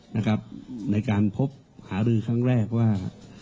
ในการพบหารือครั้งแรกว่า